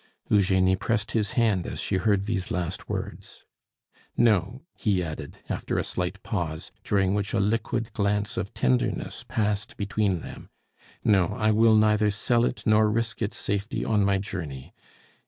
Eugenie pressed his hand as she heard these last words. "No," he added, after a slight pause, during which a liquid glance of tenderness passed between them, "no, I will neither sell it nor risk its safety on my journey.